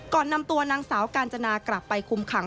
นำตัวนางสาวกาญจนากลับไปคุมขัง